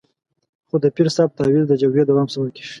خو د پیر صاحب تعویض د جګړې دوام سبب کېږي.